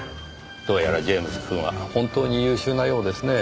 どうやらジェームズくんは本当に優秀なようですねぇ。